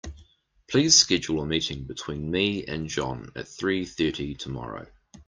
Please schedule a meeting between me and John at three thirty tomorrow.